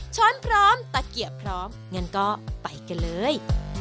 ้อนพร้อมตะเกียบพร้อมงั้นก็ไปกันเลย